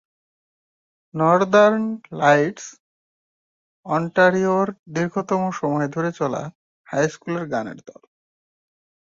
Northern Lights অন্টারিওর দীর্ঘতম সময় ধরে চলা হাই স্কুলের গানের দল।